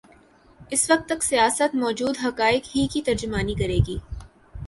اس وقت تک سیاست موجود حقائق ہی کی ترجمانی کرے گی۔